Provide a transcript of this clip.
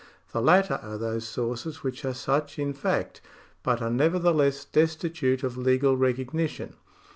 The latter are those sources which are such in fact, but are nevertheless destitute of legal recognition.